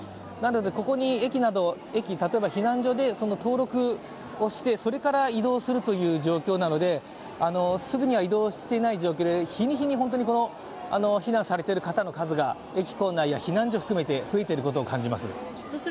なので駅、例えば避難所で登録してそれから移動するという状況なのですぐには移動してない状況で日に日に避難されている方の数が、駅構内や避難所を含めて増えていると感じます。